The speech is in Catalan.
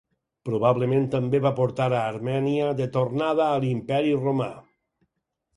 Probablement també va portar a Armènia de tornada a l'Imperi romà.